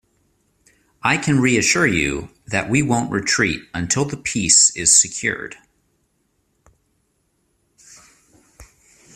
I can reassure you, that we won't retreat until the peace is secured.